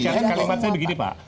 kalimat saya begini pak